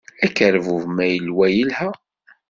Akerbub ma yelwa yelha.